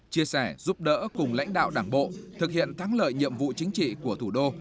chia sẻ giúp đỡ cùng lãnh đạo đảng bộ thực hiện thắng lợi nhiệm vụ chính trị của thủ đô